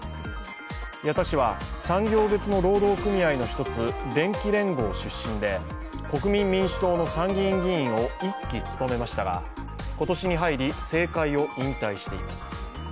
矢田氏は産業別の労働組合の１つ電機連合出身で国民民主党の参議院議員を１期務めましたが今年に入り、政界を引退しています。